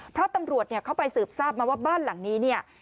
เพราะตำรวจเข้าไปสืบทราบมาว่าบ้านหลังนี้เนี่ย